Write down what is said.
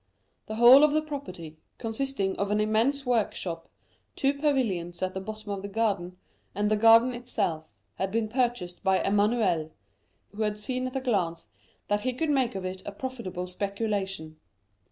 The whole of the property, consisting of an immense workshop, two pavilions at the bottom of the garden, and the garden itself, had been purchased by Emmanuel, who had seen at a glance that he could make of it a profitable speculation.